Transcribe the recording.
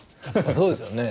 そうですよね。